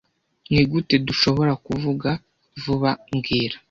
Nigute dushoborakuvuga vuba mbwira